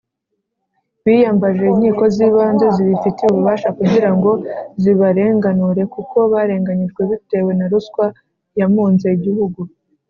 biyambaje inkiko zibanze zibifitiye ububasha kugirango zibarenganure kuko barenganyijwe bitewe na ruswa ya munze igihugu